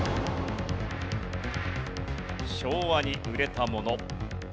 昭和に売れたもの。